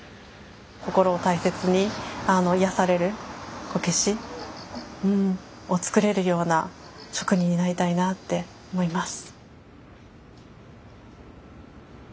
心を大切に癒やされるこけしを作れるような職人になりたいなあって思います。